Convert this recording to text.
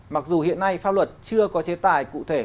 mặc dù hiện nay pháp luật chưa có chế tài cụ thể